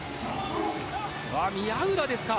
宮浦ですか。